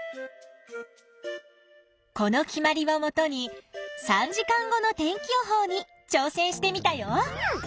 この決まりをもとに３時間後の天気予報にちょう戦してみたよ。